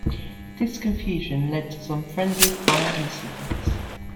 This confusion led to some friendly fire incidents.